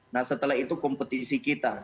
nah setelah itu kompetisi kita